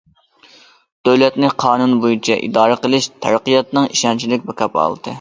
دۆلەتنى قانۇن بويىچە ئىدارە قىلىش تەرەققىياتنىڭ ئىشەنچلىك كاپالىتى.